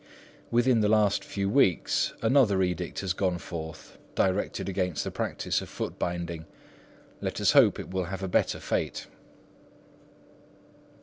Within the last few weeks another edict has gone forth, directed against the practice of foot binding. Let us hope it will have a better fate.